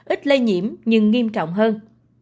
ít lây nhiễm nhưng nghiêm trọng hơn